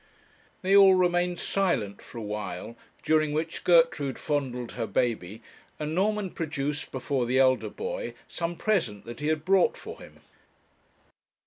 They all remained silent for a while, during which Gertrude fondled her baby, and Norman produced before the elder boy some present that he had brought for him.